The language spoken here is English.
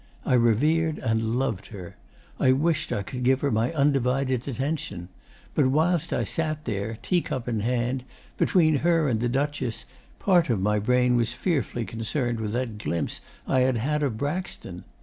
I revered and loved her. I wished I could give her my undivided attention. But, whilst I sat there, teacup, in hand, between her and the Duchess, part of my brain was fearfully concerned with that glimpse I had had of Braxton.